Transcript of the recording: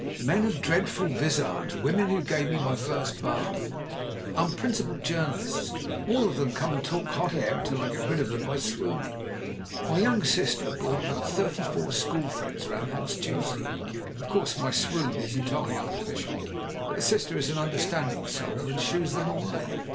Men of dreadful visage; women who gave me my first bath; unprin cipled journalists — ^all of them come and talk hot air until I get rid of them by swooning. My young sister brought thirty four school friends round last Tuesday ! Of course, my swoon is entirely artificial ; but the sister is an understanding soul, and shoos them away."